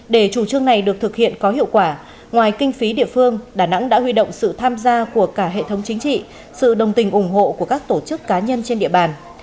để chủ trương này được thực hiện có hiệu quả ngoài kinh phí địa phương đà nẵng đã huy động sự tham gia của cả hệ thống chính trị sự đồng tình ủng hộ của các tổ chức cá nhân trên địa bàn